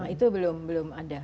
itu belum ada